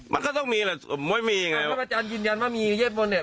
มันก็ต้องมีแหละมันไม่มีไงพระอาจารย์ยืนยันว่ามีเวทมนตร์เนี้ย